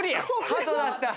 ハトだった。